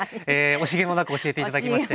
惜しげもなく教えて頂きまして。